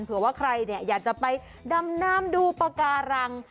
เผื่อว่าใครเนี่ยอยากจะไปดำน้ำดูปากการัง